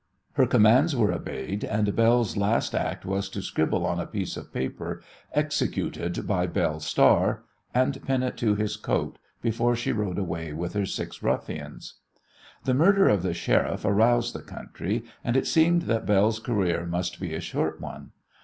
Her commands were obeyed, and Belle's last act was to scribble on a piece of paper, "Executed by Belle Star," and pin it to his coat, before she rode away with her six ruffians. The murder of the Sheriff aroused the country, and it seemed that Belle's career must be a short one.